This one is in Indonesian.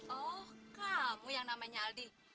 oh kamu yang namanya al di